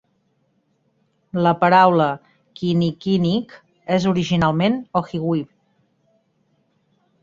La paraula kinnickinnic és originalment Ojibwe.